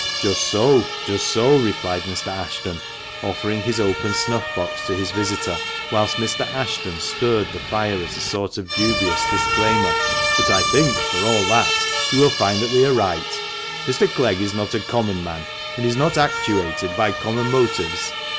"Just so, just so," replied Mr. Ashton, offering his open snuff box to his visitor, whilst Mrs. Ashton stirred the fire as a sort of dubious disclaimer; "but I think, for all that, you will find we are right ; Mr. Clegg is not a common man, and is not actuated by common motives.